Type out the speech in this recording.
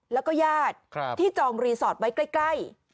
แล้วก็ญาติที่จองรีสอร์ทไว้ใกล้